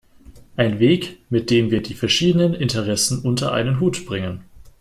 Ein Weg, mit dem wir die verschiedenen Interessen unter einen Hut bringen.